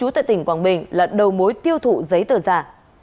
tại tỉnh quảng bình là đầu mối tiêu thụ giấy tờ giả